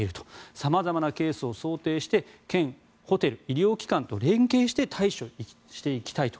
様々なケースを想定して県、ホテル、医療機関と連携して対処していきたいと。